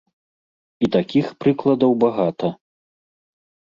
І такіх прыкладаў багата.